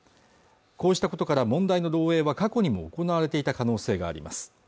こうしたことから問題の漏えいは過去にも行われていた可能性があります